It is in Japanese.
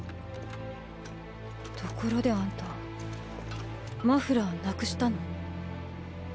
ところであんたマフラーなくしたの？